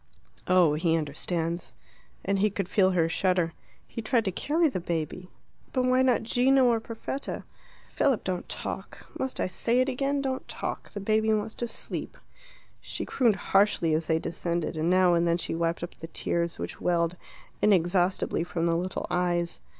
"Oh, he understands." And he could feel her shudder. "He tried to carry the baby " "But why not Gino or Perfetta?" "Philip, don't talk. Must I say it again? Don't talk. The baby wants to sleep." She crooned harshly as they descended, and now and then she wiped up the tears which welled inexhaustibly from the little eyes.